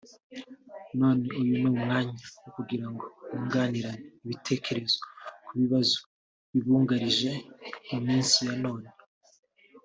none uyu ni umwanya wo kugirango bungurane ibitekerezo ku bibazo bibugarije mu minsi ya none »